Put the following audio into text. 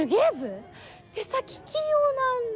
手先器用なんだ？